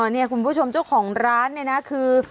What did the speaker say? เนี่ยคุณผู้ชมเจ้าของร้านเนี่ยนะคือ